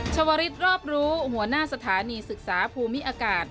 ชวริสรอบรู้หัวหน้าสถานีศึกษาภูมิอากาศ